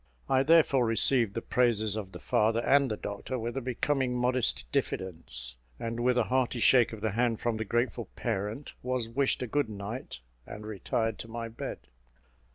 I therefore received the praises of the father and the doctor with a becoming modest diffidence; and, with a hearty shake of the hand from the grateful parent, was wished a good night and retired to my bed.